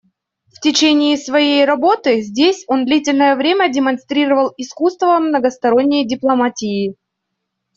В течение своей работы здесь он длительное время демонстрировал искусство многосторонней дипломатии.